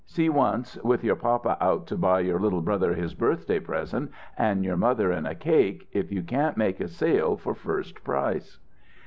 See once, with your papa out to buy your little brother his birthday present, and your mother in a cake, if you can't make a sale for first price."